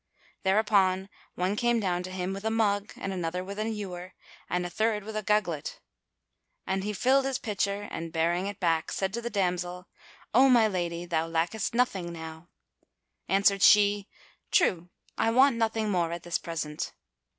Thereupon one came down to him with a mug and another with an ewer and a third with a gugglet; and he filled his pitcher and, bearing it back, said to the damsel, "O my lady, thou lackest nothing now." Answered she, "True, I want nothing more at this present."